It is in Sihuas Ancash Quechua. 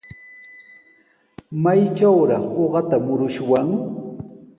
¿Maytrawraq uqata murushwan?